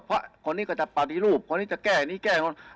เพราะคนนี้ก็จะปรับทีรูปคนนี้จะแก้อย่างนี้แก้อย่างนี้